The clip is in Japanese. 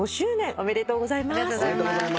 ありがとうございます。